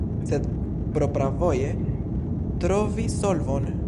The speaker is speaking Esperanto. Sed propravoje trovi solvon?